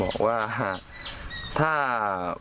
บอกว่าถ้า